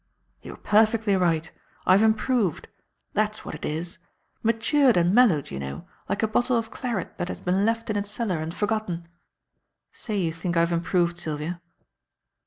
"You're perfectly right. I've improved. That's what it is. Matured and mellowed, you know, like a bottle of claret that has been left in a cellar and forgotten. Say you think I've improved, Sylvia."